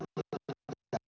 jadi tidak semua